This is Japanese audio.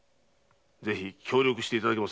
ぜひ協力していただけませんか？